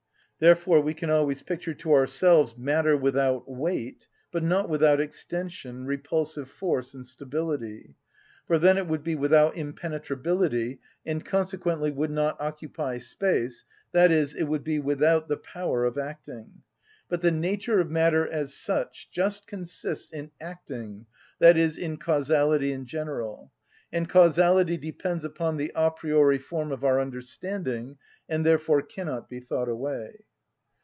Therefore we can always picture to ourselves matter without weight, but not without extension, repulsive force, and stability, for then it would be without impenetrability, and consequently would not occupy space, i.e., it would be without the power of acting; but the nature of matter as such just consists in acting, i.e., in causality in general; and causality depends upon the a priori form of our understanding, and therefore cannot be thought away.